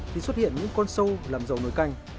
thì xuất hiện những con sâu làm dầu nồi canh